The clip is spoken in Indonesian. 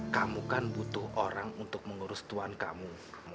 kamu kan butuh orang untuk mengurus tuhan kamu